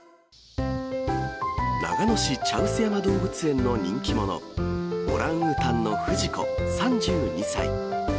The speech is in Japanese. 長野市茶臼山動物園の人気者、オランウータンのフジコ３２歳。